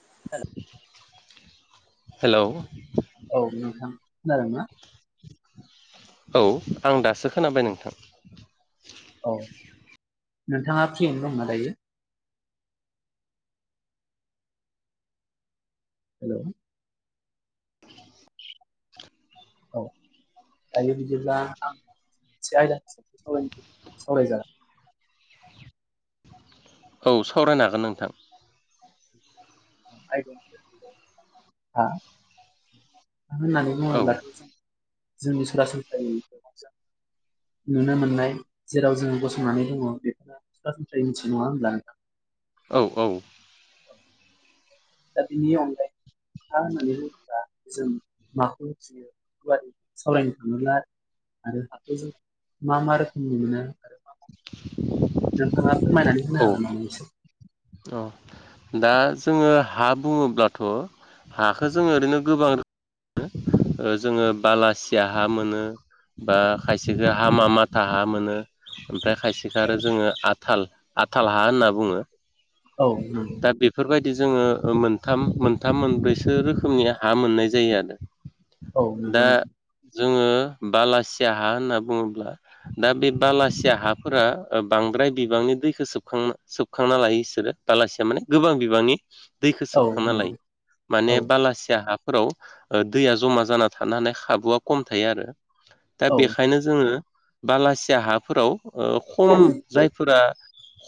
[unintelligible] Hello. औ नोंथां खोनादोंना। औ आं दासो खोनाबाय नोंथां। औ नोंथाङा फ्रियावनो दंना दायो। हेलौ औ दायो बिदिब्ला आं एसे आयदा हिसाबाव सावराय जागोन औ सावरायनो हागोन नोंथां। [inaudible] होननानै औ बुङोब्लाथ' जों सरासनस्रायै [inaudible] नुनो मोननाय जेराव जोंङो गसंनानै दङ बेफोरो सरासनस्रायै मिथि नङा होनब्ला नोंथां? औ औ दा बिनि अनगायै मा होननानै [inaudible] जों माखौ मिथियो? गुवारै सावरायनो थाङोब्ला आरो हाखौ जों मा मा रोखोमनि मोनो आरो मा नोंथाङा फोरमायनानै होनो औ हागोना एसे? औ दा जोङो हा बुङोब्लाथ' हाखौ जोङोओरैनो गोबां रोखोम मोनो [inaudible] जोङो बालासिया हा मोनो। बा खायसेखौ हामा माथा हा मोनो। ओमफ्राय खायसेखौ औ आरो जोङो आथाल आथाल हा होनना बुङो। औ नंगौ। बिदि जोङो मोनथाम मोनथाम मोनब्रैसो रोखोमनि हा मोननाय जायो आरो। औ नंगौ दा [inaudible] जोङो बालासिया हा होनना बुङोब्ला दा बे बालासिया हाफोरा ओ बांद्राय बिबांनि दैखौ सोबखां सोबखांना लायो बिसोरो बालासिया माने गोबां बिबांनि दैखौ औ सोबखांना नंगौ लायो। औ माने बालासिया हा फोराव दैया जमा जाना थानो हानाय खाबुआ खम थायो आरो। दा औ बेखायनो जोङो बालासिया हाफोराव ओखम जायफोरा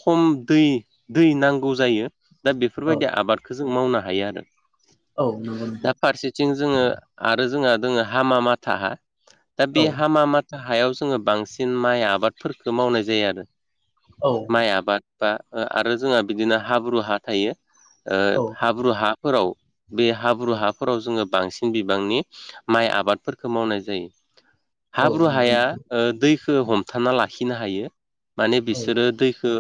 खम दै, दै नांगौ जायो। दा औ बेफोरबायदि आबादखौ जों मावनो हायो आरो। औ नंगौ दा नोंथां। [unintelligible] जोङो आरो जोंहा दोङो हामाम माथा दा औ बे हामामा था हायाव जोङो बांसिन माइ आबादफोरखौ मावनाय जायो आरो औ माइ आबाद बा ओ आरो जोंहा बिदिनो हाब्रु हा थायो हाब्रु हाफोराव बे हाब्रु हाफोराव जोङो बांसिन बिबांनि माइ आबादफोरखौ मावनाय जायो। औ हाब्रु नंगौ हाया नोंथां दैखौ हमथाना लाखिनो हायो। माने औ नंगौ बिसोरो दैखो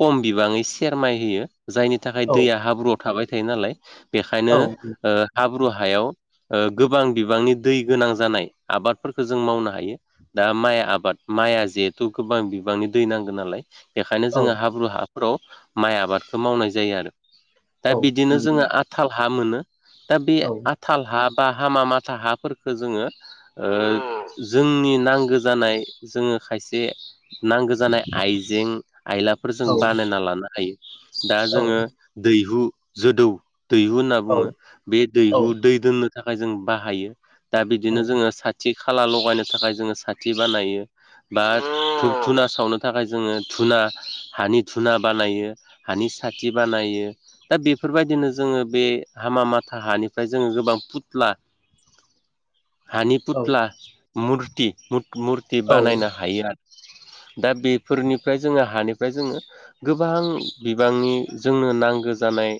खम बिबाङै सेरमाय होयो। जायनि थाखाय औ दैया हाब्रुआव थाबाय थायो नालाय बेखायनो ओ हाब्रु हायाव ओ गोबां बिबांनि दै गोनां जानाय आबादफोरखौ जों मावनो हायो। दा माइ आबाद माइआ जिहेथु गोबां बिबांनि दै नांगौ नालाय। बेखायनो जोङो हाब्रु हाफोराव माइ आबादखौ मावनाय जायो आरो। औ दा बिदिनो नंगौ औ जोङो आथाल हा मोनो। दा बे नंगौ औ नंगौ औ आथाल हा बा हामा माथा हाफोरखौ जोङो ओ जोंनि नांगौ जानाय जोङो खायसे नांगो जानाय आइजें आइलाफोर जों औ बानायना लानो हायो। दा जोङो दैहु जोदौ दैहु होनना बुङो बे दैहु दै दोननो थाखाय जों बाहायो। दा बिदिनो जोङो साथि खाला लगायनो थाखाय जोङो साथि बानायो। बा धुब धुना सावनो थाखाय जोङो धुना हानि धुना बानायो। हानि साथि बानायो दा बेफोरबायदिनो जोङो बे हामा माथा हानिफ्राय जोङो गोबां फुथला [unintelligible] हानि फुथ्ला मुर्ति मुत- मुर्ति बानायनो हायो आरो। दा बेफोरनिफ्राय जोङो हानिफ्राय जोङो गोबां बिबांनि जोंनो नांगो जानाय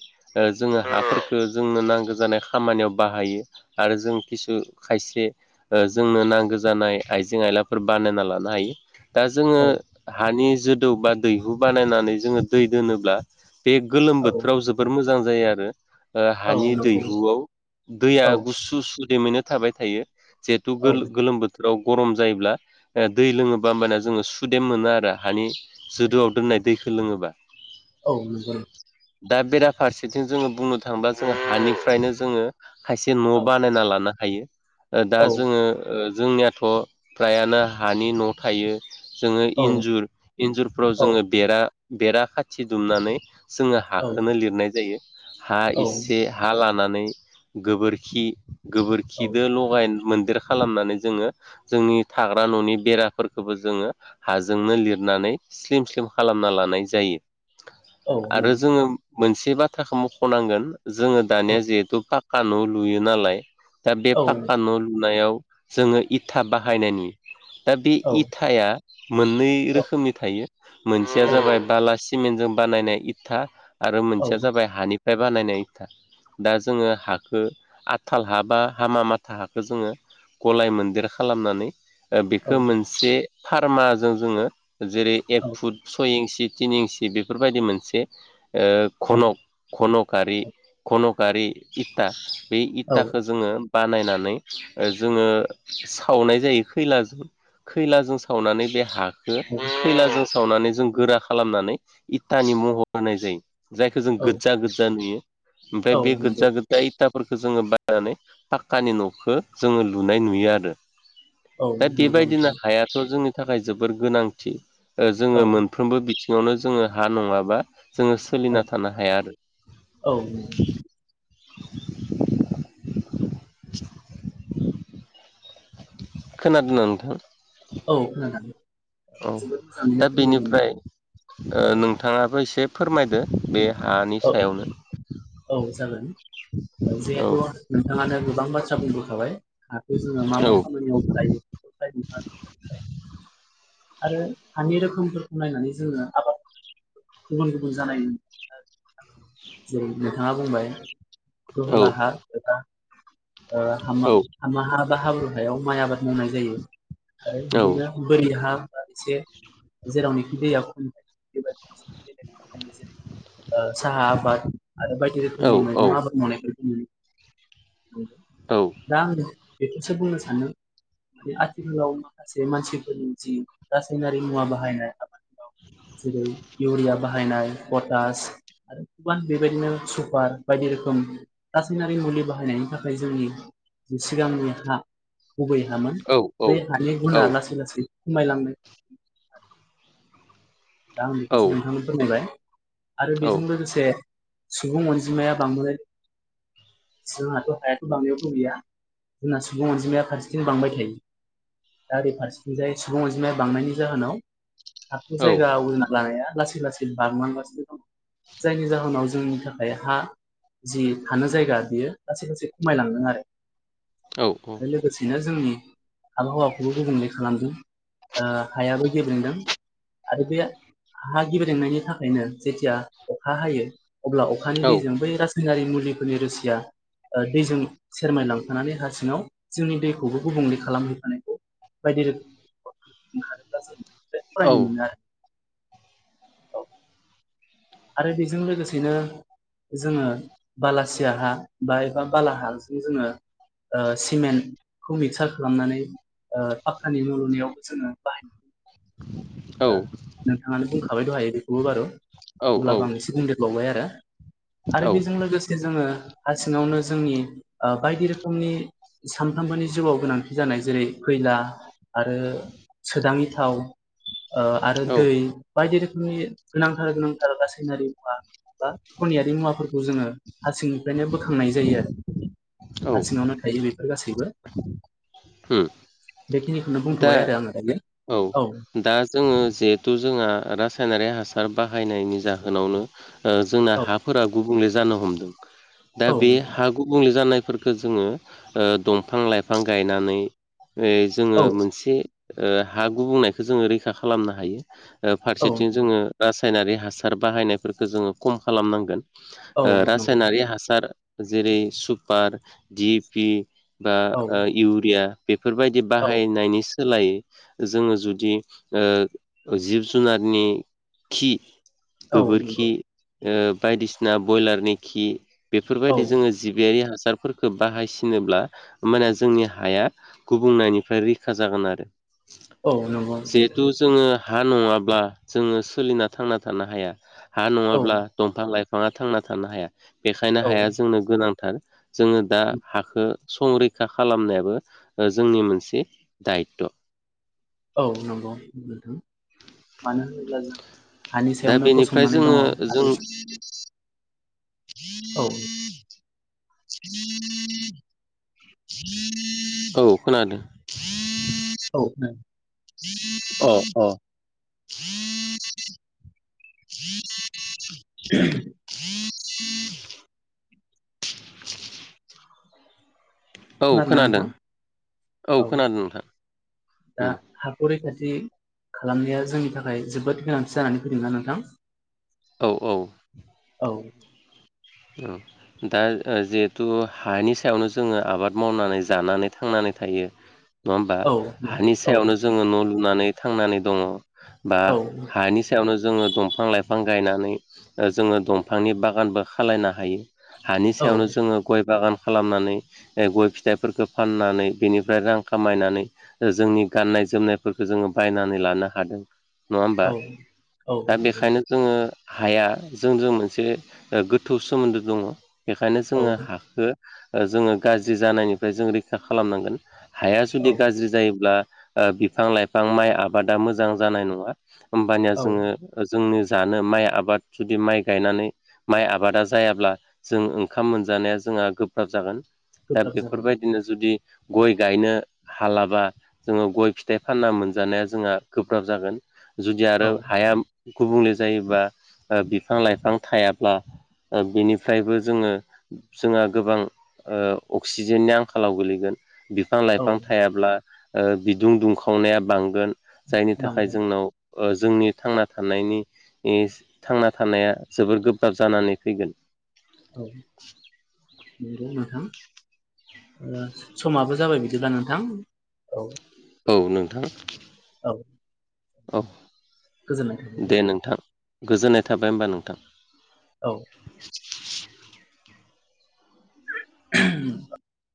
जोङो हाफोरखौ जोंनो नांगो जानाय खामानियाव बाहायो आरो जों खिसु खायसे जोंनो नांगौ जानाय आइजें आइलाफोर बानोना लानो हायो । दा जोङो हानि जोदौ बा दैहु बानायनानै जोङो दै दोनोब्ला बे गोलोम बोथोराव जोबोर मोजां जायो आरो । ओ हानि दैहुआव दैया गुसु सुदैमैनो थाबाय थायो । जेथु गोल गोलोम बो आव गरम जायोब्ला ए दै लोङोबा हबाना जोङो सुदेम मोनो आरो हानि जोदोआव दोननाय दैखौ लोङोबा औ नोंगौ नों दा बेराफारसेथिं जोङो बुंनो थाङोबा जोङो हानिफ्रायनो जोङो खायसे न' बानायना लानो हायो दा जोङो ओ जोंनियाथ' फ्रायानो हानि न' थायो । जोङो इन्जुर इन्जुरफ्राव जोङो बेरा बेरा खाथि दुमनानै जोङो हखौनो लिरनाय जायो हा एसे हा ला नानै गोबोरखि गोबोरखिदो लगाय मोन देर खालामनानै जोङो जोंनि थाग्रा न'नि बेराफोरखौबो जोङो हाजोंनो लिरनानै स्लिम स्लिम खालामना लानाय जायो । आरो जोङो मोनसे बाथ्राखौ मख'नांगोन जोङो दानिया जिहेथु फा का न' लुयो नालाय दा बे पाक्का न' लुनायाव जोङो इथा बाहायनायनि दा बे इथाया मोननै रोखोमनि थायो मोनसेया जाबाय बालासि सिमेन्टजों बानायनाय इथा आरो मोनसेया जाबाय हानिफ्राय बानायनाय इथा दा जोङो हाखौ आथाल हा बा हामाम माथा हाखौ जोङो गलाय मोनन्दिर खालामनानै ओह बेखौ मोनसे फार्माजों जोङो जेरै एक फुट सय इंसि तिनि इंसि। दि बेफोरबायदि मोनसे ओह घनक धनकआरि घनक। बारि इटा बे औ औ इटाखो जोङो। बानायनानै ओह जोङो सावनाय जायो खैलाजों खैलाजों सावनानै बे हाख खो औ खैलाजों सावनानैजों गोरा खालामनानै इटानि महर होनाय जायो। जायखोजों औ गोदजा गोदजा नुयो ओमफाय औ बे नंगौ गोदजा गोदजा इट इटा फोरखो जोङो बायनानै पाक्कानि नखो जोङो लुनाय नुयोआरो। औ दा नंगौ बेबायदिनो नोंथां हायाथ जोंनि। थाखाय जोबोर गोनांथि ओह औ जोङो मोनफ्रोमबो बिथिङावनो जोङो हा नङाबा। जोङो सोलिना थानो हायाआरो। औ नंगौ [inaudible] खोनादोना नोंथां? औ खोनादों। औ जोबोद मोजाङैनो दा फोरमायदों बेनिफ्राय ओ नोंथाङाबो एसे फोरमायदो बे हानि औ सायावनो? औ जागोन ओह औ जिहेथु नोंथाङानो गोबां बाथ्रा बुंबोखाबाय। हाखो जोङो मा औ मा खामानियाव बाहायो [unintelligible] आरो हानि रोखोमफोरखो नायनानै जोङो आबाद। गुबुन गुबुन जानाय नुनो मोनोआरो। जे नोंथाङा बुंबाय औ दहला हा एबा। ओह हामा हामा हा बा हाब्रु हायाव माइ आबाद मावनाय जायो। आरो औ बिदिनो बोरि हा बा इसे जेरावनोखि दैया खम। [unintelligible] जेरै ओह साहा आबाद आरो बायदि औ रोखोमनि मैगं आबाद मावनायखौ जोंङो। औ दा आंङो। बेखौसो बुंनोसानो माने आथिखालाव माखासे मानसिफोरनि जि। रासायनारि मुवा बाहायनाय आबादफोराव जेरै इउरिया बाहायनाय पटास। आरो गोबां बेबायदिनो सुपार बायदि रोखोम रासायनारि मुलि बाहायनायनि थाखाय जोंनि। सिगांनि हा गुबै हामोन औ बै हानि औ गुना लासै लासै खमायलांहो। दाआं बेखौसो नोंथांनो फोरमायबाय। आरो बेजों लोगोसे सुबुं अनजिमाया बांबोनायजों। जोंहाथ हाया बांनायाव गैलिया। जोंना सुबुं अनजिमाया फारसेथिं बांबाय थायो दाओरै फारसेथिंजायो सुबुं अनजिमाया। बांनायनि जाहोनाव हाखो जायगा आवग्रिना लानाया लासै लासैनो बांलांगासिनो दं। जायनि जाहोनाव जोंनि थाखाय हा जि थानो जायगा बेयो लाासै खासै खमायलांदोंआरो। आरो लोगोसेनो जोंनि आबहावाखौबो गुबुंले खालामदों। ओ हायाबो गेब्रेंदों। आरो बे हा गिब्रेंनायनि थाखायनो जेथिया अखा हायो। अब्ला अखानि दैजों बै रासायनारि मुलिफोरनि रोसिया। ओ दैजों सेरमाय लांफानानै हासिङाव जोंनि दैखौबो गुबुंले खालामहैफानायखौ। बायदि रोखोम [unintelligible] ओंखारोब्लाजों बेनिफ्राय फरायनो मोनो। आरो आरो बेजों लोगोसेनो। जोङो बालासिया हा बा एबा बालाहाजों जोङो। ओह सिमेन्टखौ मिक्सार खालामनानै। ओ पाक्कानि न लुनायावबो जोङो बाहायो। ओ नोंथाङानो बुंखाबाय दहायो बेखौबो बारु अब्लाबो आं इसे बुंदेरबावबाय आरो। आरो बेजों लोगोसे जोङो। हा सिङावनो जोंनि ओ बायदि रोखोमनि सानफ्रोमबोनि जिउआव गोनांथि जानाय जेरै खै खैला आरो सोदांङि थाव। ओ आरो दै बायदि रोखोमनि गोनांथार गोनांथार रासायनारि मुवा बा खनियारि मुवाफोरखौ जोङो हासिंनिफ्रायनो बोखांनाय जायो आरो औ हा सिङावनो थायो बेफोर गासैबो [unintelligible] बेखिनिखौनो दा बुंथ'बाय आरो आङो दायो। औ दा जोङो जिहेथु जोंहा रासायनारि हासार बाहायनायनि जाहोनावनो, ओ जोंना औ हाफोरा गुबुंले जानो हमदों दा बे हा गुबुंले जानाय, फोरखो जोङो ओ दंफां लाइफां गायनानै जोङो औ मोनसे ओ हा गुबुंनायखौ जोङो रैखा खालामनो हायो ओ औ फारसेथिं नंगौ जोङो रा रासायनारि हासार बाहायनायफोरखौ जोङो खम खालामनांगोन औ ओ नंगौ रासायनारि हासार, जेरै सुपार डि पि बा औ ओ इउरिया बेफोरबायदि औ बाहायनायनि सोलायै, जोङो जुदि ओ जिब जुनारनि खि, औ गोबोरखि नंगौ ओ बायदिसिना ब्रयलारनि खि, औ बेफोरबायदि जोङो जिबियारि हासा हासारफोरखौ बाहायसिनोब्ला होमबानिया जोंनि हाया गुबुंनायनिफ्राय रैखा जागोन आरो औ नंगौ जिहेथु नोंथां, जोङो हा नङाब्ला जोङो सोलिना थांना थानो हाया हा औ नङाब्ला दंफां लाइ फाङा थांना थानो हाया बेखायनो औ हाया जोंनो गोनांथार जोङो दा हाखो, संरैखा खालामनायाबो ओ जोंनि मोनसे दायथ' औ नंगौ नोंथां, मानो होनोब्ला जों हानि दा सायावनो बेनिफ्राय गसंनानै जोङो दङ जों आरो औ [unintelligible] औ खोनादों, [unintelligible] अह अह [unintelligible] [inaudible] औ खोनादोंना खोनादों नोंथां औ खोनादों नोंथां दा उम हाखौ रैखाथि थि खालामनाया जोंनि थाखाय जोबोद गोनांथि जानानै फैदोंना नोंथां औ औ औ दा ओ जिहेथु हानि सायावनो जोङो आबाद मावनानै जानानै थांनानै थायो नङा होमबा औ नंगौ हानि औ सायावनो जोङो न' लु नानै थांनानै दङ बा औ हानि सायावनो जोङो दंफां लाइफां गायनानै ओ जोङो दंफांनि बागानबो खालायनो हायो हानि औ सायावनो जोङो गय बागान खालामनानै गय फिथाइफोरखौ फाननानै बेनिफ्राय रां खामायनानै जोंनि गाननाय जोमनायफोरखौ जोङो बायनानै लानो हादों नङा होमबा औ औ दा नंगौ बेखायनो जोङो हाया जोंजोंनो मोनसे ओ गोथौ सोमोन्दो दङ बेखायनो औ जोङो हाखो ओ जोङो गाज्रि जानायनिफ्राय जों रैखा खालामनांगोन हाया औ जुदि गाज्रि जायोब्ला ओ बिफां लाइफां माइ आबादा मोजां जानाय नङा होमबानिया औ जोङो जोंनि जानो माइ आबाद जुदि माइ गायनानै माइ आबादा जायाब्ला जों ओंखाम मोनजानाया जोंहा गोब्राब जागोन दा गोब्राब जागोन बेफोरबायदिनो जुदि गय गायनो हालाबा जोङो गय फिथाइ फानना मोनजानाया जोंहा गोब्राब जागोन जुदि आरो औ हाया गुबुंले जायोबा ओ बेनिफ्रायबो जोङो जोंहा गोबां ओ अक्सिजेननि आंखालाव गोलैगोन बिफां औ लाइफां थायाब्ला ओ बिदुं दुंखावनाया बांगोन जायनि थाखाय बांगोन जोंनाव ओ जोंनि थांना थानायनि थांना थानाया जोबोद गो रा जानानै फैगोन औ नंगौ नोंथां ओ समाबो जाबाय बिदिब्ला नोंथां औ औ नोंथां औ औ गोजोननाय थाबाय दे गोजोननाय थाबाय होमबा नोंथां औ [inaudible] [unintelligible]